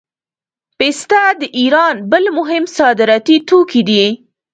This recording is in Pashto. پسته د ایران بل مهم صادراتي توکی دی.